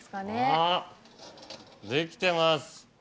あっできてます。